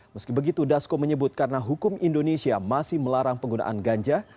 meski begitu dasko menyebut karena hukum indonesia masih melarang penggunaan ganja